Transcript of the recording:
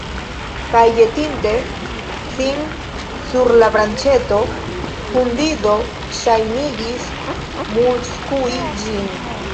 Kaj ĵetinte sin sur la branĉeto, hundido ŝajnigis mortskui ĝin.